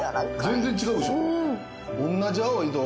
全然違うよ。